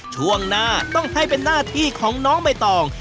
ช่วงหน้าต้องให้เป็นหน้าที่ของน้องใบตอง